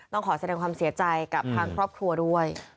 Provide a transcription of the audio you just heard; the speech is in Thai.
ขอแสดงความเสียใจกับทางครอบครัวด้วย